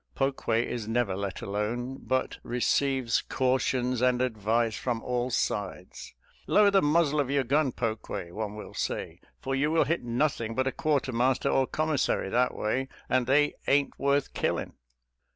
Pokue is never let alone, but receives cautions and advice from all sides. " Lower the muzzle of your gun, Pokue," one will say ;" for you will hit nothing but a quartermaster or commissary that way, and they ain't worth killing."